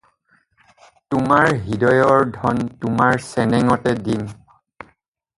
তোৰ হৃদয়ৰ ধন তোৰ চেনেঙকে দিম।